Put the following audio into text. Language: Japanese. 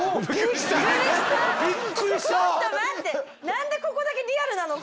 何でここだけリアルなの？